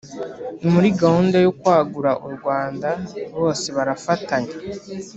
muri gahunda yo kwagura u rwanda bose barafatanyaga,